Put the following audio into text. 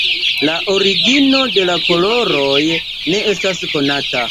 La origino de la koloroj ne estas konata.